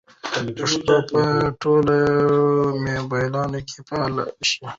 پښتو به په ټولو موبایلونو کې فعاله شي.